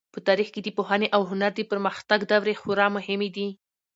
په تاریخ کې د پوهنې او هنر د پرمختګ دورې خورا مهمې دي.